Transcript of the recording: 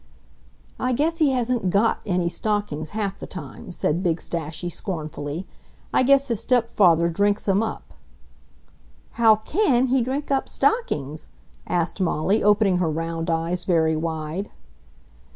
"I guess he hasn't GOT any stockings half the time," said big Stashie scornfully. "I guess his stepfather drinks 'em up." "How CAN he drink up stockings!" asked Molly, opening her round eyes very wide.